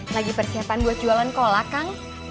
lagi persiapan buat jualan kolak kang